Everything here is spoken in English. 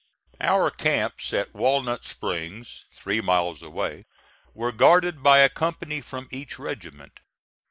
Our camps at Walnut Springs, three miles away, were guarded by a company from each regiment.